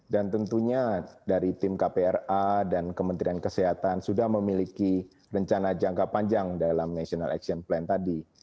dan tentunya dari tim kpra dan kementerian kesehatan sudah memiliki rencana jangka panjang dalam national action plan tadi